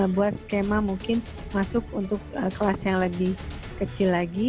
buat skema mungkin masuk untuk kelas yang lebih kecil lagi